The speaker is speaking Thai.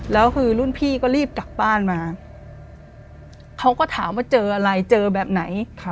แล้วคือรุ่นพี่ก็รีบกลับบ้านมาเขาก็ถามว่าเจออะไรเจอแบบไหน